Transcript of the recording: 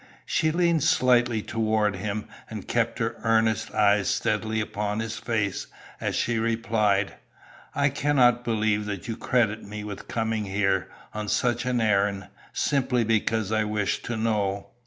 She leaned slightly toward him and kept her earnest eyes steadily upon his face as she replied, "I cannot believe that you credit me with coming here, on such an errand, simply because I wish to know.